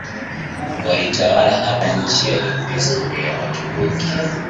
walitawala hapa Nchi ya kihistoria ya Waturuki